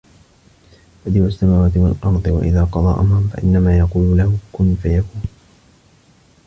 بَدِيعُ السَّمَاوَاتِ وَالْأَرْضِ ۖ وَإِذَا قَضَىٰ أَمْرًا فَإِنَّمَا يَقُولُ لَهُ كُنْ فَيَكُونُ